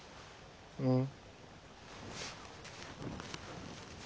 うん。